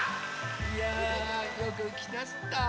いやよくきなすった。